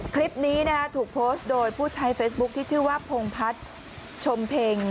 คลิปนี้ถูกโพสต์โดยผู้ใช้เฟซบุ๊คที่ชื่อว่าพงพัฒน์ชมเพ็ง